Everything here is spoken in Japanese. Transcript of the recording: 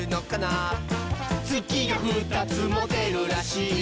「つきが２つもでるらしい」